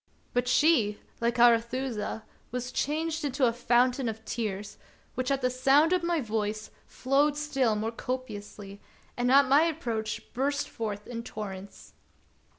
But she, like Arethusa, was changed into a fountain of tears, which at the sound of my voice flowed still more copiously, and at my approach burst forth in torrents.